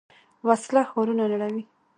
وسله ښارونه نړوي